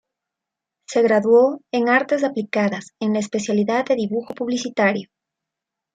Se graduó en Artes Aplicadas en la especialidad de Dibujo Publicitario.